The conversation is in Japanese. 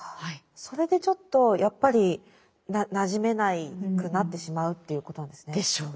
それでちょっとやっぱりなじめなくなってしまうということなんですね。でしょうね。